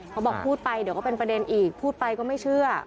เขาบอกพูดไปเดี๋ยวก็เป็นประเด็นอีกพูดไปก็ไม่เชื่อ